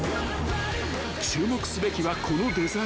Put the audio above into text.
［注目すべきはこのデザイン］